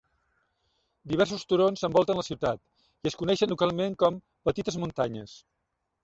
Diversos turons envolten la ciutat, i es coneixen localment com "petites muntanyes".